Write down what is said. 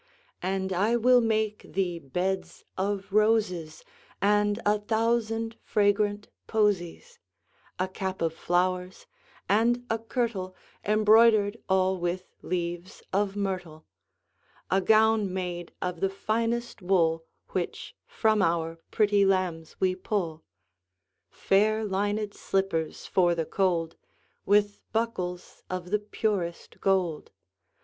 And I will make thee beds of roses And a thousand fragrant posies; 10 A cap of flowers, and a kirtle Embroider'd all with leaves of myrtle. A gown made of the finest wool Which from our pretty lambs we pull; Fair linèd slippers for the cold, 15 With buckles of the purest gold.